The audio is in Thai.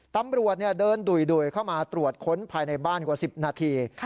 ตำรวจเดินดุยเข้ามาตรวจค้นภายในบ้านกว่า๑๐นาที